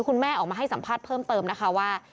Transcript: คุณแม่ออกมาให้สัมภาษณ์เพิ่มเติมนะคะว่า